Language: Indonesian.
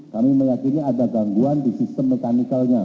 kami meyakini ada gangguan di sistem mekanikalnya